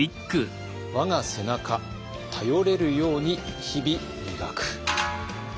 「我が背中頼れるように日々磨く」。